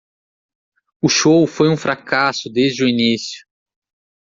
O show foi um fracasso desde o início.